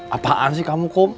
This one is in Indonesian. apaan sih kamu kom